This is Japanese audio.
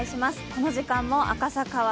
この時間の赤坂は